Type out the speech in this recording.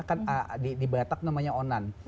kan di batak namanya onan